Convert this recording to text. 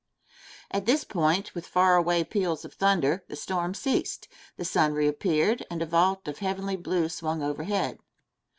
*[* At this point, with far away peals of thunder, the storm ceased, the sun reappeared and a vault of heavenly blue swung overhead.